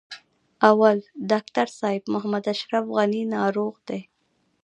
اول: ډاکټر صاحب محمد اشرف غني ناروغ دی.